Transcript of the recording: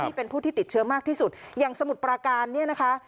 ที่เป็นผู้ที่ติดเชื้อมากที่สุดอย่างสมุทรปราการเนี่ยนะคะ